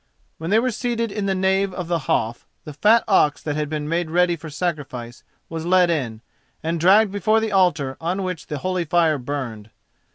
When they were seated in the nave of the Hof, the fat ox that had been made ready for sacrifice was led in and dragged before the altar on which the holy fire burned.